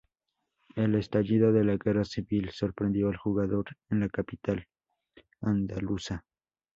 El estallido de la Guerra Civil sorprendió al jugador en la capital andaluza.